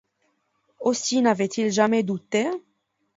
Aussi n’avait-il jamais douté ?